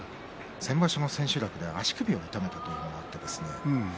先場所の千秋楽で足首を痛めたということです。